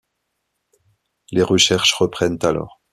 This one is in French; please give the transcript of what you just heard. Les recherches reprennent alors.